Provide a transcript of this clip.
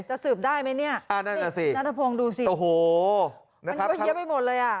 จะสืบได้ไหมเนี่ยน้าทะพงดูสิโอ้โหอันนี้ก็เยอะไปหมดเลยอ่ะ